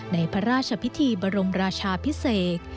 ในพระราชพิธีบรมราชาพิเศษ